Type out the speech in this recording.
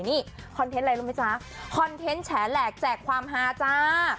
นี่คอนเทนต์อะไรรู้ไหมจ๊ะคอนเทนต์แฉแหลกแจกความฮาจ้า